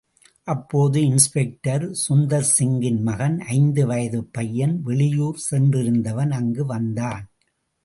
அப்போது இன்ஸ்பெக்டர் சுந்தர்சிங்கின் மகன் ஐந்து வயதுப் பையன் வெளியூர் சென்றிருந்தவன் அங்கு வந்தான்.